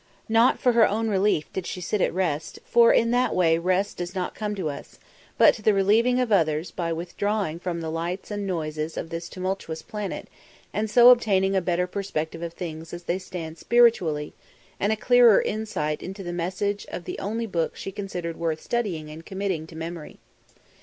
Not for her own relief did she sit at rest, for in that way rest does not come to us; but to the relieving of others by withdrawing from the lights and noises of this tumultuous planet and so obtaining a better perspective of things as they stand spiritually, and a clearer insight into the message of the only book she considered worth studying and committing to memory.